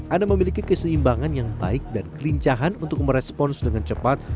anda memiliki keseimbangan yang baik dan kelincahan untuk merespons dengan cepat